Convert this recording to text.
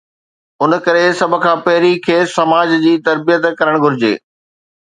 ان ڪري سڀ کان پهرين کيس سماج جي تربيت ڪرڻ گهرجي.